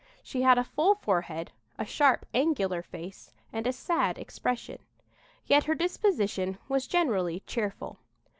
She had a full forehead, a sharp, angular face and a sad expression. Yet her disposition was generally cheerful.